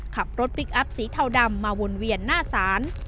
ขับรถพลิกอัพสีเทาดำมาวนเวียนหน้าศาล